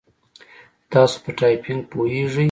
تاسو په ټایپینګ پوهیږئ؟